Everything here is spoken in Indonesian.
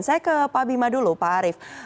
saya ke pak bima dulu pak arief